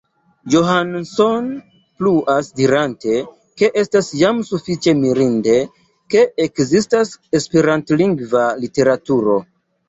Johansson pluas dirante, ke estas jam sufiĉe mirinde, ke ekzistas esperantlingva literaturo.